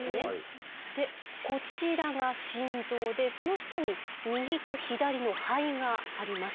でこちらが心臓でその下に右と左の肺があります。